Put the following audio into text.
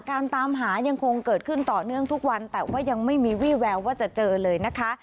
ตามหายังคงเกิดขึ้นต่อเนื่องทุกวันแต่ว่ายังไม่มีวี่แววว่าจะเจอเลยนะคะ